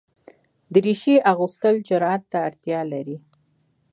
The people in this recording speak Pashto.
دریشي اغوستل جرئت ته اړتیا لري.